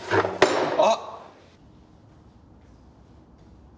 あっ！